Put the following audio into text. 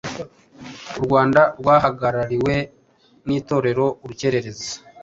U Rwanda rwahagarariwe n’itorero Urukerereza.